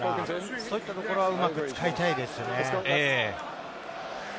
そういったところはうまく使いたいですよね。